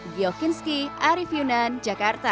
gio kinski arief yunan jakarta